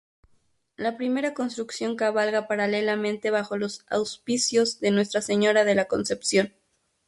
La primera construcción cabalga paralelamente bajo los auspicios de Nuestra Señora de la Concepción.